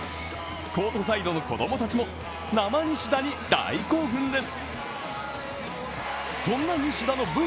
コートサイドの子供たちも生西田に大興奮です